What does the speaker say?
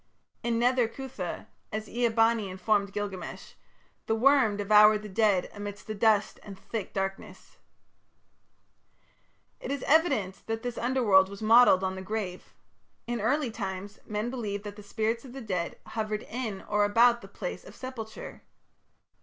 In Nether Cuthah, as Ea bani informed Gilgamesh, the worm devoured the dead amidst the dust and thick darkness. It is evident that this Underworld was modelled on the grave. In early times men believed that the spirits of the dead hovered in or about the place of sepulture.